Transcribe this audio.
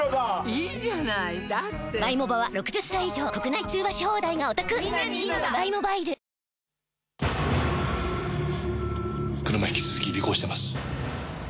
いいじゃないだって車引き続き尾行してます。